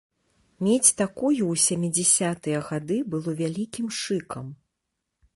Мець такую ў сямідзясятыя гады было вялікім шыкам.